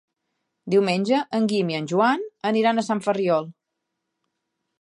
Diumenge en Guim i en Joan aniran a Sant Ferriol.